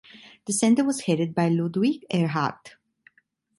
The centre was headed by Ludwig Erhard.